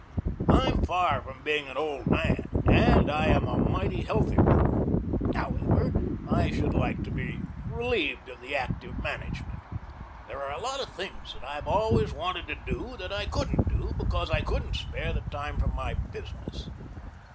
I am far from being an old man, and I am a mighty healthy one. However, I should like to be relieved of the active management. There are a lot of things that I have always wanted to do that I couldn't do because I couldn't spare the time from my business.